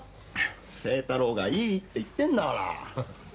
星太郎がいいって言ってんだから。